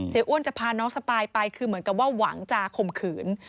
อ้วนจะพาน้องสปายไปคือเหมือนกับว่าหวังจะข่มขืน